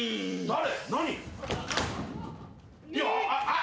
誰！？